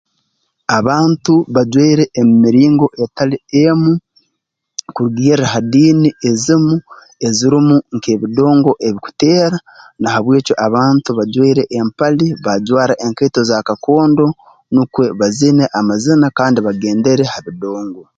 Abantu bajwaire emu miringo etali emu kurugirra ha diini ezimu ezirumu nk'ebidongo ebikuteera na habw'ekyo abantu bajwaire empali baajwara enkaito zaakakondo nukwo bazine amazina kandi bagendere ha bidongo